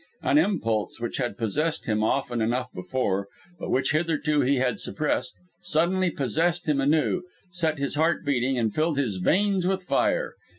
An impulse, which had possessed him often enough before, but which hitherto he had suppressed, suddenly possessed him anew, set his heart beating, and filled his veins with fire.